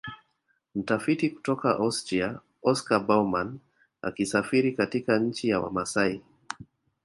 Mtafiti kutoka Austria Oscar Baumann akisafiri katika nchi ya Wamasai